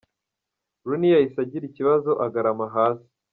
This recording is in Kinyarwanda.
Rooney yahise agira ikibazo agarama hasi.